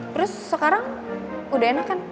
terus sekarang udah enakan